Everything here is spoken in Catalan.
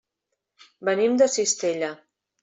Venim de Cistella.